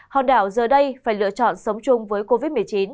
hòn đảo giờ đây phải lựa chọn sống chung với covid một mươi chín